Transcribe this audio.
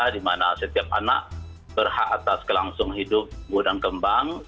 di mana setiap anak berhak atas kelangsung hidup gudang kembang